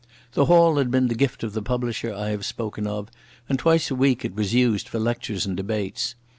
The hall had been the gift of the publisher I have spoken of, and twice a week it was used for lectures and debates.